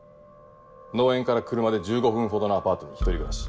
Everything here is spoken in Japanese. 農園から車で１５分ほどのアパートに１人暮らし。